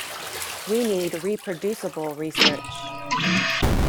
We need reproducible research.